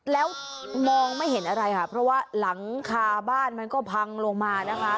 แล้วมองไม่เห็นอะไรค่ะเพราะว่าหลังคาบ้านมันก็พังลงมานะคะ